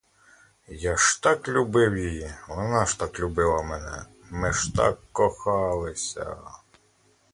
Я ж так любив її, вона ж так любила мене, ми ж так кохалися.